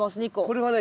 これはね